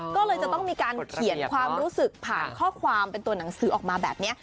ก็เลยจะต้องมีการเขียนความรู้สึกผ่านข้อความเป็นตัวหนังสือออกมาแบบนี้